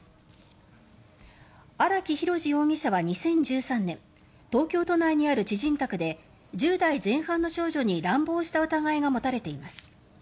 荒木博路容疑者は２０１３年東京都内にある知人宅で１０代前半の少女に乱暴した疑いが持たれています。